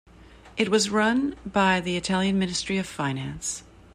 It was run by the Italian Ministry of Finance.